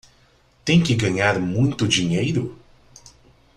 Tem que ganhar muito dinheiro?